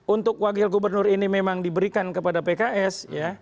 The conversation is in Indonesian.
untuk wakil gubernur ini memang diberikan kepada pks